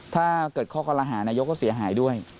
ถ้าเกิดข้อคอลหานายกก็เสียหายด้วย